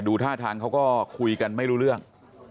ท่าทางเขาก็คุยกันไม่รู้เรื่อง